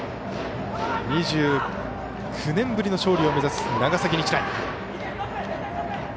２９年ぶりの勝利を目指す長崎日大。